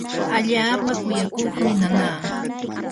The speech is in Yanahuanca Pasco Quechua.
allaapa kuyakuqmi nanaa.